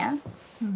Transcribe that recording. うん。